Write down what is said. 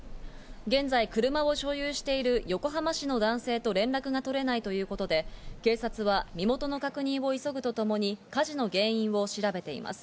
現在、車を所有している横浜市の男性と連絡が取れないということで、警察は身元の確認を急ぐとともに、火事の原因を調べています。